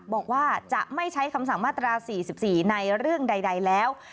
บอกว่าจะไม่ใช้คำสั่งมาตรา๔๔ในเรื่องใดแล้ว